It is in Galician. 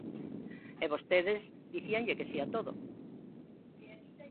E vostedes dicíanlle que si a todo.